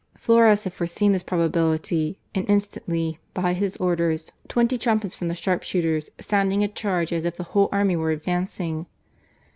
Flores had foreseen this probability and instantly, by his orders, twenty trumpets from the sharpshooters sounded a charge as if the whole army were advancing.